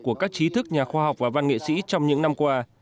của các trí thức nhà khoa học và văn nghệ sĩ trong những năm qua